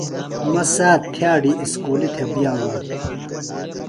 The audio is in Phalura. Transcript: مہ سات تھئاڈی اسکولیۡ تھےۡ بئانوۡ۔